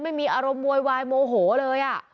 ไม่มีอารมณ์โวยวายโมโหเลย